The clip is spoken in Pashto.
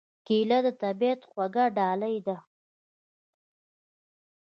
کېله د طبیعت خوږه ډالۍ ده.